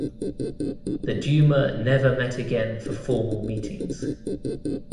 The Duma never met again for formal meetings.